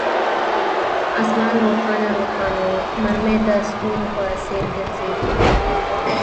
آسمان روښانه روښانه وو، مرمۍ د ستورو په څیر ګرځېدې.